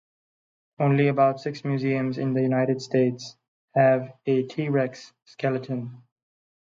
Only about six museums in the United States have a "T. rex" skeleton.